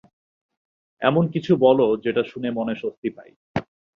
এমনকিছু বলো যেটা শুনে মনে স্বস্তি পাই।